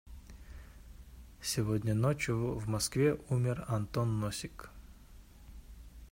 Сегодня ночью в Москве умер Антон Носик.